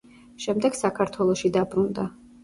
შემდეგ საქართველოში დაბრუნდა.